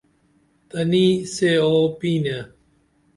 تنی سے آو پینے